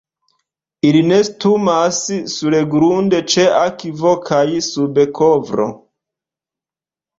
Ili nestumas surgrunde, ĉe akvo kaj sub kovro.